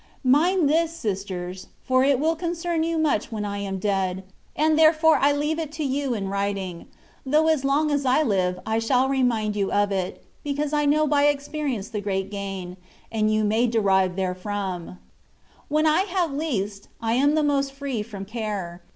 Mind this, sisters ; for it wiU concern you much when I am dead, and therefore I leave it to you in writing ; though as long as I live I shall remind you of it, because I know by experience the great gain (you may derive therefrom) ,* When I have least, I am the most free from care.